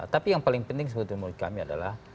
tapi yang paling penting sebetulnya menurut kami adalah